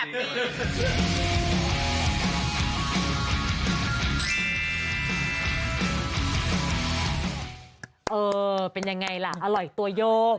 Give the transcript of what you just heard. เออเป็นยังไงล่ะอร่อยตัวโย